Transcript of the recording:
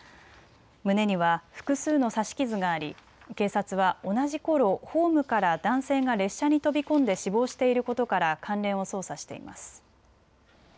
胸には複数の刺し傷があり警察は同じころホームから男性が列車に飛び込んで死亡していることから関連を捜査しています。